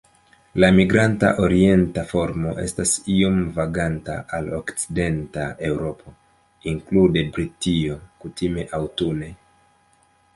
La migranta orienta formo estas iom vaganta al okcidenta Eŭropo, inklude Britio, kutime aŭtune.